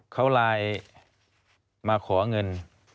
เขาไลน์มาขอเงิน